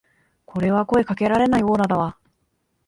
これは声かけられないオーラだわ